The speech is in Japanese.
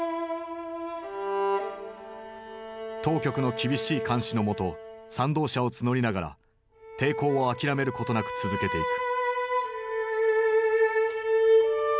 当局の厳しい監視の下賛同者を募りながら抵抗を諦めることなく続けていく。